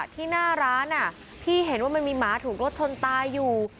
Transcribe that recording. ที่หน้าร้านพี่เห็นว่ามันมีหมาถูกรถชนตายอยู่